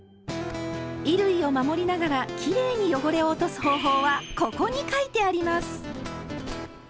衣類を守りながらきれいに汚れを落とす方法は「ここ」に書いてあります！